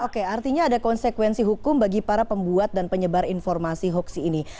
oke artinya ada konsekuensi hukum bagi para pembuat dan penyebar informasi hoax ini